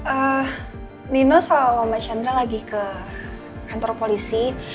eh nino sama mas chandra lagi ke kantor polisi